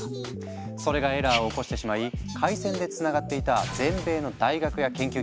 それがエラーを起こしてしまい回線でつながっていた全米の大学や研究機関